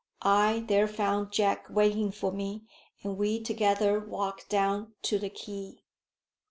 I there found Jack waiting for me, and we together walked down to the quay.